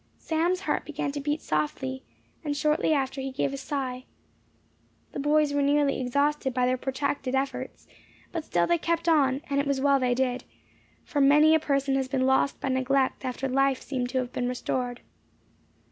Sam's heart began to beat softly, and shortly after he gave a sigh. The boys were nearly exhausted by their protracted efforts, but still they kept on; and it was well they did, for many a person has been lost by neglect after life seemed to have been restored.